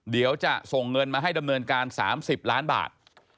เดี๋ยวจะส่งเงินมาให้ดำเนินการ๓๐ล้านบาท